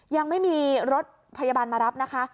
ยังไม่มีรถพยาบาลมารับนะคะ